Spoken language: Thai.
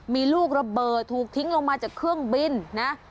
มีลูกระเบิดถูกทิ้งลงมาจากเครื่องบินนะ